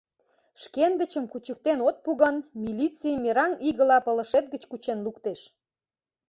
Шкендычым кучыктен от пу гын, милиций мераҥ игыла пылышет гыч кучен луктеш.